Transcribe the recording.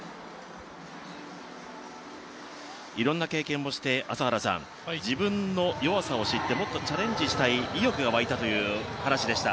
いろんな経験をして自分の弱さを知ってもっとチャレンジしたい、意欲が湧いたという話でした。